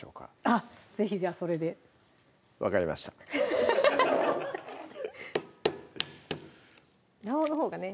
あっ是非じゃあそれで分かりました卵黄のほうがね